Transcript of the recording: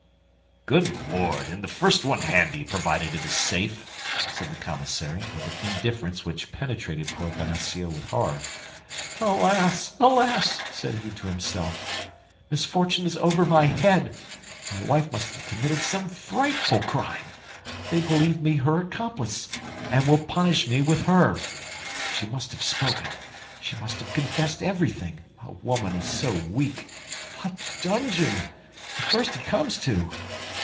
"Good Lord! In the first one handy, provided it is safe," said the commissary, with an indifference which penetrated poor Bonacieux with horror. "Alas, alas!" said he to himself, "misfortune is over my head; my wife must have committed some frightful crime. They believe me her accomplice, and will punish me with her. She must have spoken; she must have confessed everything—a woman is so weak! A dungeon! The first he comes to!